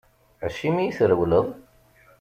Acimi i trewleḍ?